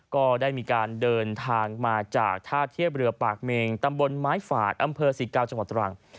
ก็ได้มีการเดินทางมาจากท่าเทียบเรือปากเมงตำบลไม้ฝาดอำเภอศรีกาวจังหวัดตรัง